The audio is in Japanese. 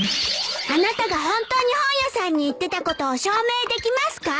あなたが本当に本屋さんに行ってたことを証明できますか？